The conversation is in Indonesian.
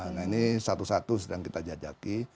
nah ini satu satu sedang kita jajaki